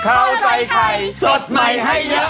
ข้าวใส่ไข่สดใหม่ให้เยอะ